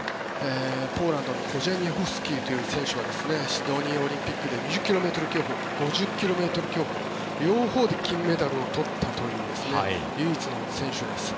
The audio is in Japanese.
ポーランドのブジョゾフスキ選手はシドニーオリンピックで２０ｋｍ競歩５０ｋｍ競歩両方で金メダルを取ったという唯一の選手です。